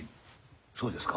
そうですか？